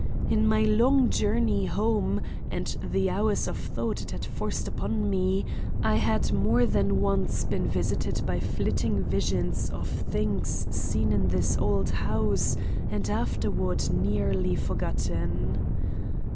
In my long journey home and the hours of thought it had forced upon me, I had more than once been visited by flitting visions of things seen in this old house and afterward nearly forgotten.